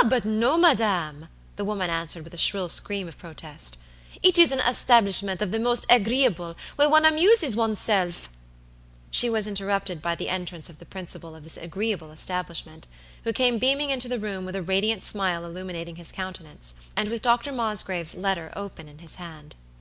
"Ah, but no, madam," the woman answered with a shrill scream of protest. "It is an establishment of the most agreeable, where one amuses one's self" She was interrupted by the entrance of the principal of this agreeable establishment, who came beaming into the room with a radiant smile illuminating his countenance, and with Dr. Mosgrave's letter open in his hand.